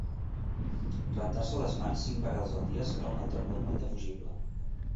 Rentar-se les mans cinc vegades al dia serà una altra norma indefugible.